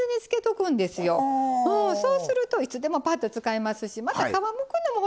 そうするといつでもパッと使えますしまた皮むくのも汚れるしね